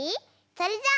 それじゃ。